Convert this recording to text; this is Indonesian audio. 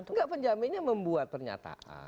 enggak penjaminnya membuat pernyataan